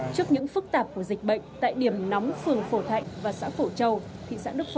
trước những phức tạp của dịch bệnh tại điểm nóng phường phổ thạnh và xã phổ châu thị xã đức phổ